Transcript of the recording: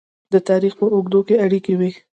د تاریخ په اوږدو کې اړیکې وې.